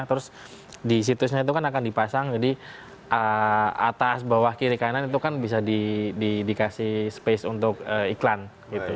terus di situsnya itu kan akan dipasang jadi atas bawah kiri kanan itu kan bisa dikasih space untuk iklan gitu